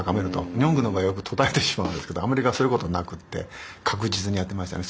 日本軍の場合は途絶えてしまうんですけどアメリカはそういうことはなくって確実にやってましたね。